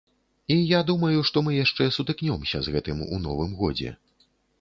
І я думаю, што мы яшчэ сутыкнёмся з гэтым у новым годзе.